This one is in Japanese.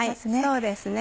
そうですね。